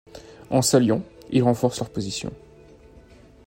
En s’alliant, ils renforcent leur position.